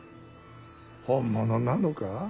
本物なのか。